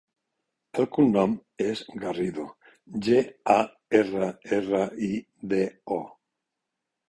El cognom és Garrido: ge, a, erra, erra, i, de, o.